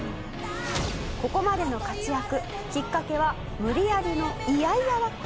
「ここまでの活躍きっかけは無理やりの嫌々だった！？」